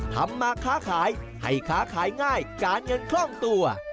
ทำมาค้าขายให้ค้าขายง่ายการเงินคล่องตัว